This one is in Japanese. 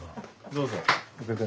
どうぞ。